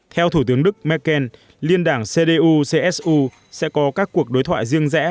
theo thủ tướng đức merkel liên đảng cdu csu sẽ có các cuộc đối thoại riêng rẽ